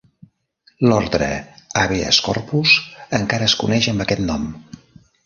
L'ordre "habeas corpus" encara es coneix amb aquest nom.